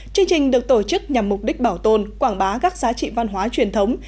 chương trình được tổ chức nhằm mục đích bảo tồn quảng bá các giá trị văn hóa truyền thống